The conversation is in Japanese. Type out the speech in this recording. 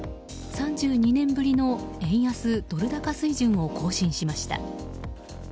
３２年ぶりの円安ドル高水準を更新しました。